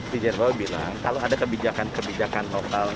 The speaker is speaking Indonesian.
presiden who bilang kalau ada kebijakan kebijakan lokal